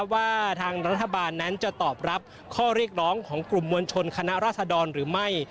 ว่าทางรัฐบาลนั้นจะตอบรับข้อเรียกร้องของกลุ่มมวลชนคณะราษดรหรือไม่